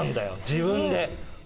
自分で。